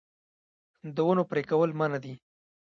د ونو پرې کول منع دي